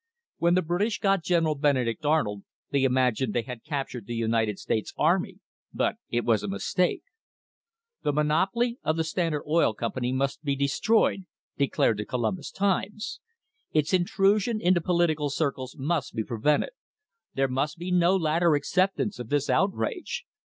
When the British got General Benedict Arnold they imagined they had captured the United States army, but it was a mistake." "The monopoly of the Standard Oil Company must be destroyed," declared the Columbus Times. "Its intrusion into political circles must be prevented. There must be no later acceptance of this outrage.